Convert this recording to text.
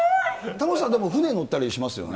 タモリさん、でも、船乗ったりしますよね。